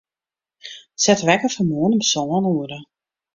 Set de wekker foar moarn om sân oere.